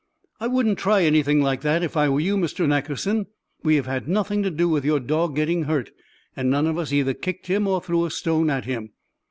"I wouldn't try anything like that, if I were you, Mr. Nackerson. We have had nothing to do with your dog getting hurt, and none of us either kicked him or threw a stone at him."